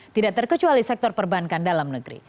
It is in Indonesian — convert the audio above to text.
tidak terkecuali sektor perbankan dalam negeri